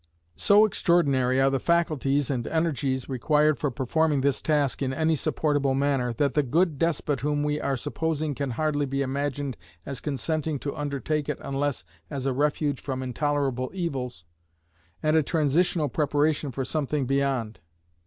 So extraordinary are the faculties and energies required for performing this task in any supportable manner, that the good despot whom we are supposing can hardly be imagined as consenting to undertake it unless as a refuge from intolerable evils, and a transitional preparation for something beyond.